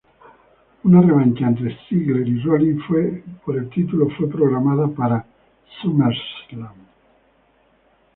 Una revancha entre Ziggler y Rollins por el título fue programada para SummerSlam.